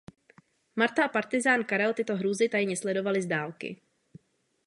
Marta a partyzán Karel tyto hrůzy tajně sledovali z dálky.